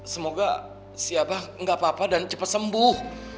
semoga si abah gak apa apa dan cepat sembuh